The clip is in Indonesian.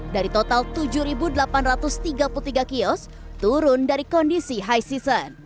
dari total tujuh delapan ratus tiga puluh tiga kios turun dari kondisi high season